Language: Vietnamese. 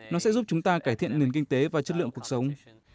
nó sẽ giúp chúng ta cải thiện nền kinh tế và chất lượng cuộc sống